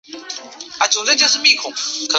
可以去寻找另一个地方